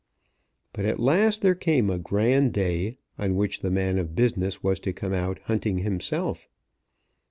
But at last there came a grand day, on which the man of business was to come out hunting himself.